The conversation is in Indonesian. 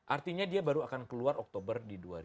artinya dia baru akan keluar oktober di dua ribu dua puluh